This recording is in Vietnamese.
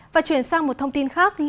và chuyển sang một thông tin khác